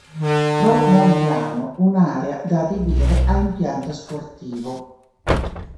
Pro Mogliano un'area da adibire a impianto sportivo.